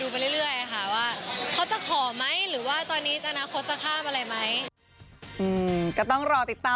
เพราะว่ามันไม่ใช่หน้าที่ของเรา